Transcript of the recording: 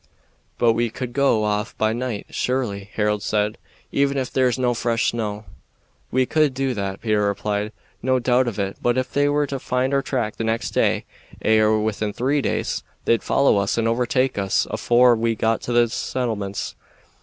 "But we could go off by night, surely," Harold said, "even if there is no fresh snow." "We could do that," Peter replied; "no doubt of it. But ef they were to find our track the next day, ay, or within three days, they'd follow us and overtake us afore we got to the settlements.